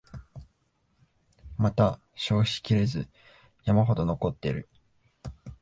まだ消費しきれず山ほど残ってる